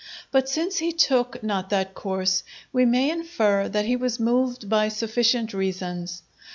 But since he took not that course, we may infer that he was moved by sufficient reasons.